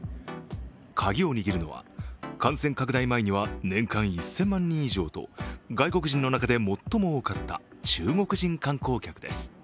鍵を握るのは、感染拡大前には年間１０００万人以上と外国人の中で最も多かった中国人観光客です。